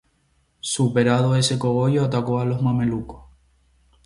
Superado ese escollo, atacó a los mamelucos.